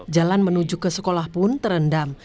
jalan menuju ke sekolah pun terendam